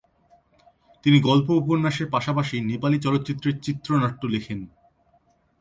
তিনি গল্প ও উপন্যাসের পাশাপাশি নেপালি চলচ্চিত্রের চিত্রনাট্য লেখেন।